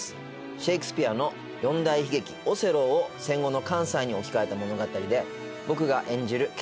シェークスピアの四大悲劇『オセロー』を戦後の関西に置き換えた物語で僕が演じる血気